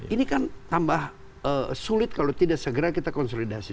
ini kan tambah sulit kalau tidak segera kita konsolidasi